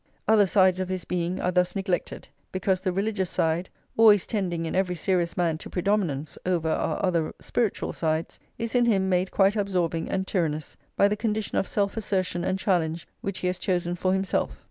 Other sides of his being are thus neglected, because the religious side, always tending in every serious man to predominance over our other spiritual sides, is in him made quite absorbing and tyrannous by [xxiv] the condition of self assertion and challenge which he has chosen for himself.